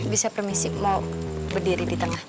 bisa permisif mau berdiri di tengah